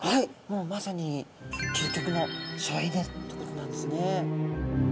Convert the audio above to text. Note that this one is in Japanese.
もうまさに究極の省エネってことなんですね。